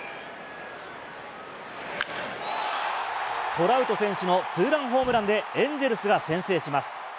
トラウト選手のツーランホームランで、エンゼルスが先制します。